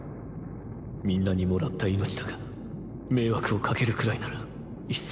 みんなにもらった命だが迷惑をかけるくらいならいっそ。